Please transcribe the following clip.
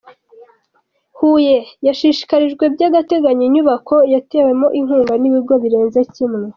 Huye yashyikirijwe by’agateganyo inyubako yatewemo inkunga nibigo birenze kimwe